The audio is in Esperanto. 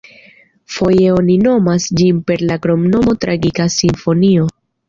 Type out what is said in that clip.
Foje oni nomas ĝin per la kromnomo „tragika simfonio“.